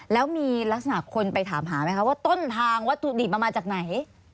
แล้วมีลักษณะคนไปถามหาไหมคะว่าต้นทางวัตถุดิบมันมาจากไหน